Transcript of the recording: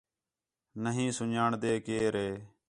نَہیں سُن٘ڄاݨدا ہے کئیر ہِے